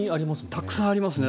たくさんありますね。